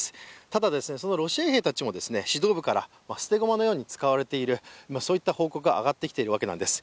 ただ、そのロシア兵たちも指導部から捨て駒のように使われている、そういった報告が上がってきているわけなんです。